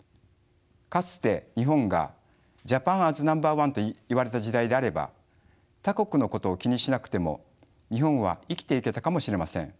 かつて日本が「ジャパン・アズ・ナンバーワン」と言われた時代であれば他国のことを気にしなくても日本は生きていけたかもしれません。